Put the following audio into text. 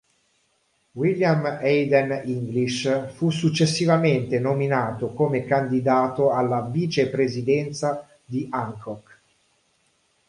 William Hayden English fu successivamente nominato come candidato alla vicepresidenza di Hancock.